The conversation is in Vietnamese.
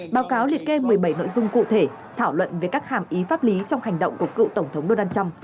báo cáo liệt kê một mươi bảy nội dung cụ thể thảo luận về các hàm ý pháp lý trong hành động của cựu tổng thống donald trump